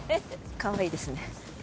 かわいいですね。